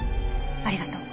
ありがとう。